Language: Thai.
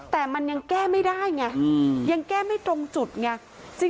แต่มันยังแก้ไม่ได้ไงยังแก้ไม่ตรงจุดไง